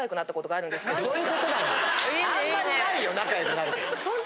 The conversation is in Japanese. あんまりないよ仲良くなること。